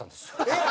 えっ？